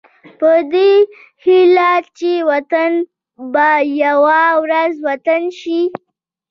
په دې هيله چې وطن به يوه ورځ وطن شي.